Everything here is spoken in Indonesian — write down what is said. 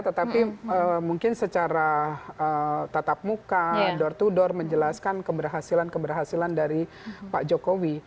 tetapi mungkin secara tatap muka door to door menjelaskan keberhasilan keberhasilan dari pak jokowi